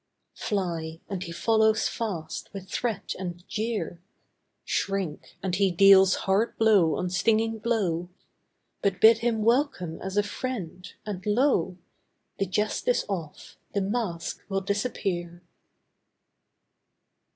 Fly, and he follows fast with threat and jeer. Shrink, and he deals hard blow on stinging blow, But bid him welcome as a friend, and lo! The jest is off—the masque will disappear.